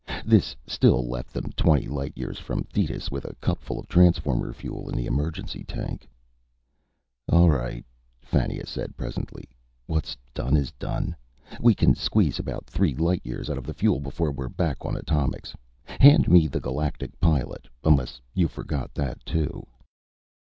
This still left them twenty light years from Thetis, with a cupful of transformer fuel in the emergency tank. "All right," Fannia said presently. "What's done is done. We can squeeze about three light years out of the fuel before we're back on atomics. Hand me The Galactic Pilot unless you forgot that, too."